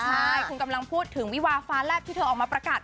ใช่คุณกำลังพูดถึงวิวาฟ้าแลบที่เธอออกมาประกาศ